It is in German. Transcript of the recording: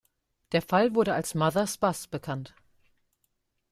Der Fall wurde als Mothers Bus bekannt.